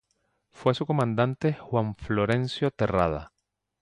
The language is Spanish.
Fue su comandante Juan Florencio Terrada.